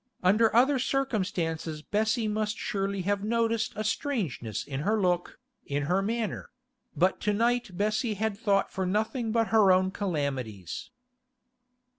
Under other circumstances Bessie must surely have noticed a strangeness in her look, in her manner; but to night Bessie had thought for nothing but her own calamities.